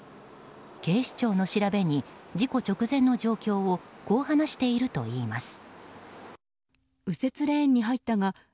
警視庁の調べに事故直前の状況をこう話しているといいます。